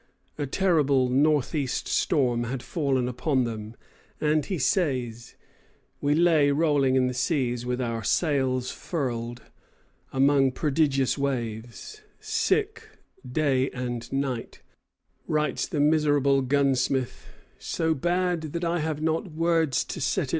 "A terrible northeast storm" had fallen upon them, and, he says, "we lay rolling in the seas, with our sails furled, among prodigious waves." "Sick, day and night," writes the miserable gunsmith, "so bad that I have not words to set it forth." [Footnote: Diary of Major Seth Pomeroy.